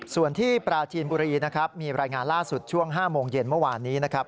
ส่วนที่ปราจีนบุรีนะครับมีรายงานล่าสุดช่วง๕โมงเย็นเมื่อวานนี้นะครับ